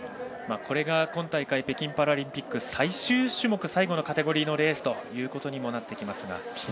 これが今大会北京パラリンピック最終種目最後のカテゴリーのレースとなってきます。